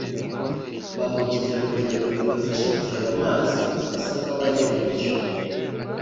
ba mukereragendo ibafashe kureba amazi basa nk’abayari hejuru